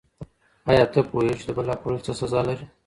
ایا ته پوهېږې چي د بل حق خوړل څه سزا لري؟